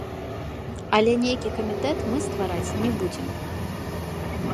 Але нейкі камітэт мы ствараць не будзем.